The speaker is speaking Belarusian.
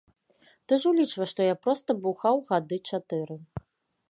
Ты ж улічвай, што я проста бухаў гады чатыры.